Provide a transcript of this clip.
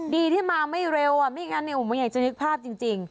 ดีที่มาไม่เร็วไม่งั้นไม่อยากจะนึกภาพจริง